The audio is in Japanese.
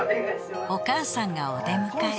［お母さんがお出迎え］